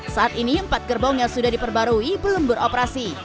saat ini empat gerbong yang sudah diperbarui belum beroperasi